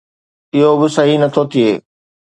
اهو به صحيح نٿو ٿئي.